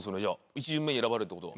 １巡目に選ばれるって事は。